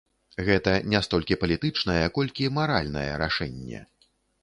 Гэта не столькі палітычнае, колькі маральнае рашэнне.